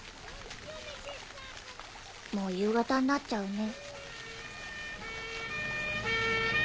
もう夕方になっちゃうね。